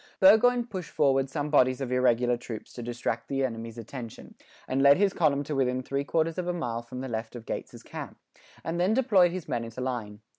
"] Burgoyne pushed forward some bodies of irregular troops to distract the enemy's attention; and led his column to within three quarters of a mile from the left of Gates's camp, and then deployed his men into line.